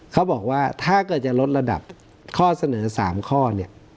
เขาบอกว่าถ้าเกิดจะลดระดับข้อเสนอ๓ข้อเนี่ย